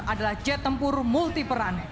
adalah jet tempur multiperan